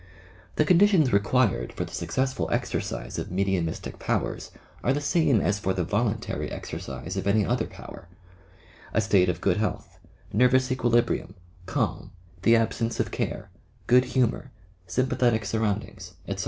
The conditions required for the successful exercise of mediumistic powers are the same as for the voluntary exercise of any other power, — a state of good health, nervous equilibrium, calm, the absence of care, good humour, sympathetic surround ings, etc.